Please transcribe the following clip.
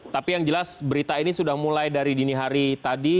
tapi yang jelas berita ini sudah mulai dari dini hari tadi